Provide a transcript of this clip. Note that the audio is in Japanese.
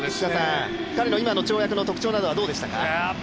彼の今の跳躍の特徴はどうでしたか？